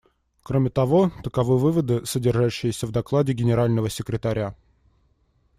Кроме того, таковы выводы, содержащиеся в докладе Генерального секретаря.